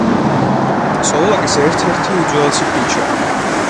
სოლოლაკის ერთ-ერთი უძველესი ქუჩა.